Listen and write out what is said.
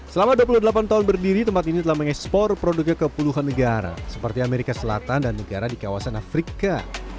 selama dua puluh delapan tahun berdiri tempat ini telah mengekspor produknya ke puluhan negara seperti amerika selatan dan negara di kawasan afrika